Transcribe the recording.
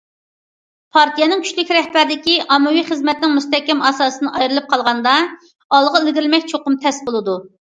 پارتىيەنىڭ كۈچلۈك رەھبەرلىكى، ئاممىۋى خىزمەتنىڭ مۇستەھكەم ئاساسىدىن ئايرىلىپ قالغاندا، ئالغا ئىلگىرىلىمەك چوقۇم تەس بولىدۇ.